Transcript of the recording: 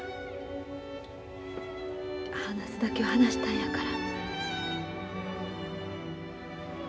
話すだけは話したんやから。